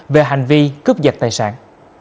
về hành vi cướp dạch tài sản